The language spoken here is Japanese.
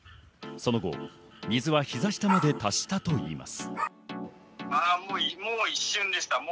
その後、水はひざ下まで達したといいます。